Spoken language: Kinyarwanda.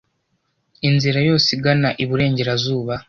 inzira yose igana iburengerazuba